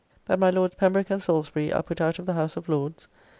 That my Lords Pembroke and Salisbury are put out of the House of Lords.